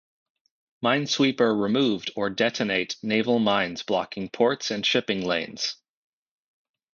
Minesweeper removed or detonate naval mines blocking ports and shipping lanes.